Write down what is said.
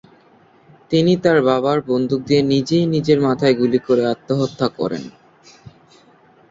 তিনি তার বাবার বন্দুক দিয়ে নিজেই নিজের মাথায় গুলি করে আত্মহত্যা করেন।